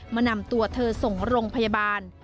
มานำตัวเธอส่งโรงพยาบาล